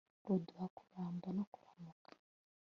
ruduha kuramba no kuramuka